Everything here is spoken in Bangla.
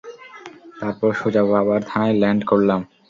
তারপর সোজা বাবার থানায় ল্যান্ড করলাম।